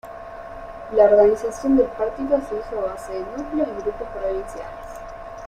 La organización del partido se hizo a base de núcleos y grupos provinciales.